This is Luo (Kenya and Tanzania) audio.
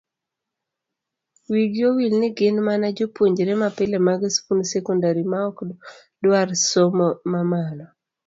Wigi owil ni gin mana jopuonjre mapile mag skund sekondari maok dwar somo mamalo.